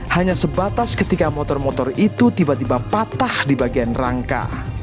hanya sebatas ketika motor motor itu tiba tiba patah di bagian rangka